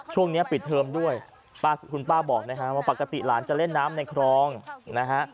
ช่วงนี้ปิดเทอมด้วยคุณป้าบอกนะฮะว่าปกติหลานจะเล่นน้ำในคลองนะฮะ